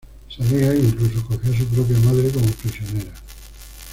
Se alega que incluso cogió a su propia madre como prisionera.